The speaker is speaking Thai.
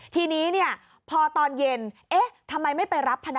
ทีนี้พอตอนเย็นเอ๊ะทำไมไม่ไปรับพนัก